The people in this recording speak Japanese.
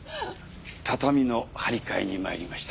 畳の張り替えに参りました。